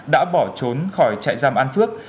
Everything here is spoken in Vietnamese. đã bỏ trốn khỏi trại giam an phước